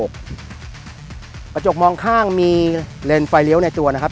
กระจกมองข้างมีเลนไฟเลี้ยวในตัวนะครับ